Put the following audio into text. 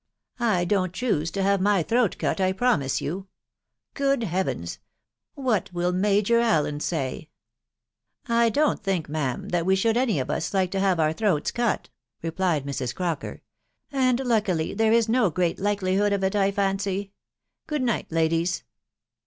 ... I don't choose to have my throat cut, I promise you. — Good heavens !.•.. What will Major Allen say ?"" I don't think, ma'am, that we should any of us like to have our throats cut," replied Mrs. Crocker ; ff and luckily there is no great likelihood of it, I fancy .... Good night, ladies."